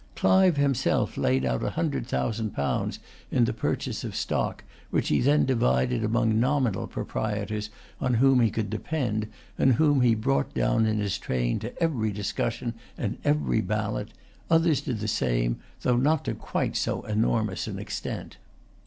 Clive himself laid out a hundred thousand pounds in the purchase of stock, which he then divided among nominal proprietors on whom he could depend, and whom he brought down in his train to every discussion and every ballot. Others did the same, though not to quite so enormous an extent.